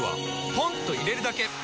ポンと入れるだけ！